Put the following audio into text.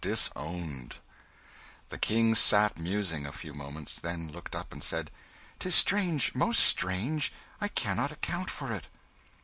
Disowned. The King sat musing a few moments, then looked up and said "'Tis strange most strange. I cannot account for it."